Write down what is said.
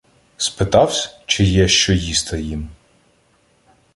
Спитавсь, чи є що їсти їм?